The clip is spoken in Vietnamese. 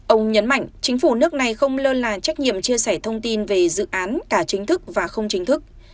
ông nhấn mạnh chính phủ nước này không lơ là trách nhiệm chia sẻ thông tin về dự án cả chính thức và không chính thức